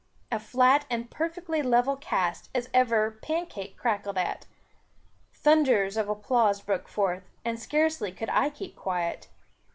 A flat and perfectly level cast, as ever pancake crackled at. Thunders of applause broke forth, and scarcely could I keep quiet.